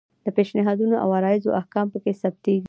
د پیشنهادونو او عرایضو احکام پکې ثبتیږي.